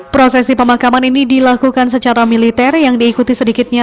prosesi pemakaman ini dilakukan secara militer yang diikuti sedikitnya